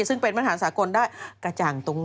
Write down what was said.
ซึ่งเป็นมหาสากลได้กระจ่างตรง